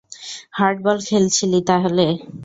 Hardball খেলছিলি তাহলে?